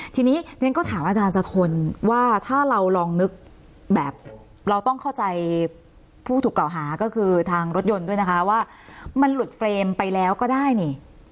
ทีนี้เรียนก็ถามอาจารย์สะทนว่าถ้าเราลองนึกแบบเราต้องเข้าใจผู้ถูกกล่าวหาก็คือทางรถยนต์ด้วยนะคะว่ามันหลุดเฟรมไปแล้วก็ได้นี่